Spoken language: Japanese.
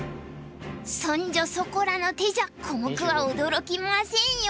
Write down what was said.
そんじょそこらの手じゃコモクは驚きませんよ！